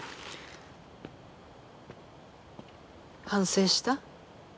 反省した？